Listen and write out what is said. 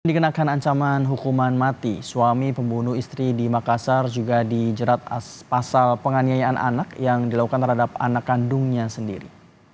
dikenakan ancaman hukuman mati suami pembunuh istri di makassar juga dijerat pasal penganiayaan anak yang dilakukan terhadap anak kandungnya sendiri